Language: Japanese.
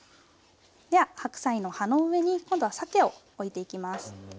では白菜の葉の上に今度はさけを置いていきます。